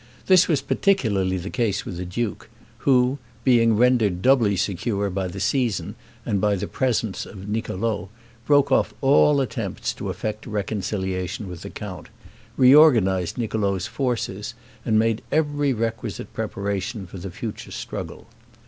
This was particularly the case with the duke, who, being rendered doubly secure by the season and by the presence of Niccolo, broke off all attempts to effect a reconciliation with the count, reorganized Niccolo's forces, and made every requisite preparation for the future struggle.